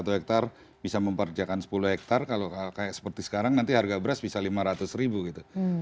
satu hektare bisa memperjakan sepuluh hektare kalau kayak seperti sekarang nanti harga beras bisa lima ratus ribu gitu